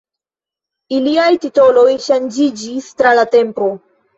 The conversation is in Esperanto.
Iliaj titoloj ŝanĝiĝis tra la tempo.